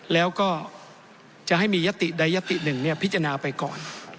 แล้วก็จะให้มียติใดยติหนึ่งพิจารณาไปก่อน